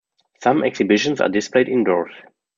Some exhibitions are displayed indoors.